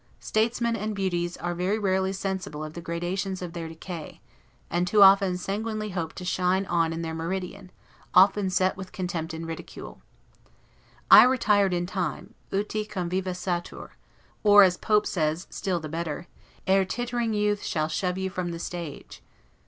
Statesmen and beauties are very rarely sensible of the gradations of their decay; and, too often sanguinely hoping to shine on in their meridian, often set with contempt and ridicule. I retired in time, 'uti conviva satur'; or, as Pope says still better, ERE TITTERING YOUTH SHALL SHOVE YOU FROM THE STAGE.